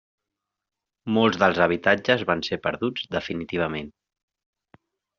Molts dels habitatges van ser perduts definitivament.